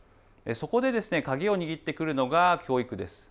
そこで、鍵を握ってくるのが教育です。